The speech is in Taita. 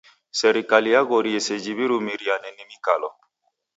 Serikali yaghorie seji w'irumiriane ni mikalo.